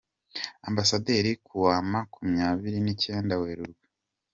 Ambasaderi ku wa makumyabiri n’icyenda Werurwe.